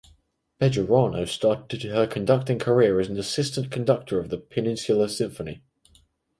Bejarano started her conducting career as an assistant conductor of the Peninsula Symphony.